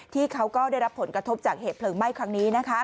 เขาก็ได้รับผลกระทบจากเหตุเพลิงไหม้ครั้งนี้